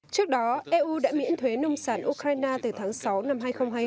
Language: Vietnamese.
trước đó eu đã miễn thuế nông sản ukraine từ tháng sáu năm hai nghìn hai mươi